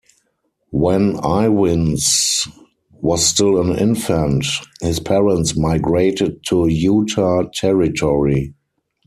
When Ivins was still an infant, his parents migrated to Utah Territory.